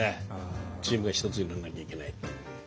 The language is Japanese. チームが一つになんなきゃいけない。